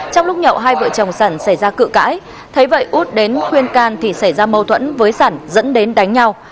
trong lúc nhậu hai vợ chồng sản xảy ra cự cãi thấy vậy út đến khuyên can thì xảy ra mâu thuẫn với sản dẫn đến đánh nhau